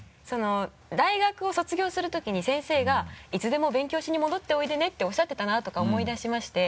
大学を卒業するときに先生が「いつでも勉強しに戻っておいでね」っておっしゃってたなとか思い出しまして。